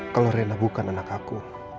kalau rena bukan anak aku